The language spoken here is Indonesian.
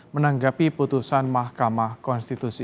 menanggapi putusan mahkamah konstitusi